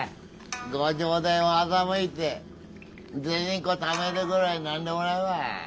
ご城代を欺いて銭っこためるぐらい何でもないわ。